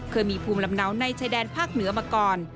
เคยมีภูมิลำเนาในชายแดนภาคเหนือมาก่อน